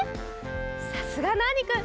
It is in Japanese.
さすがナーニくん。